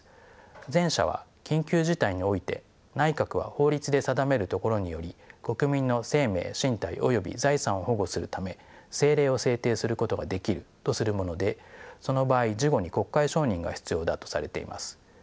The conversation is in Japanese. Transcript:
前者は緊急事態において内閣は法律で定めるところにより国民の生命身体及び財産を保護するため政令を制定することができるとするものでその場合事後に国会承認が必要だとされています。